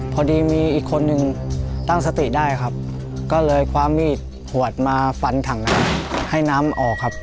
พอดีมีอีกคนนึงตั้งสติได้ครับก็เลยคว้ามีดขวดมาฟันถังน้ำให้น้ำออกครับ